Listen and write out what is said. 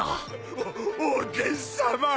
おおでんさま。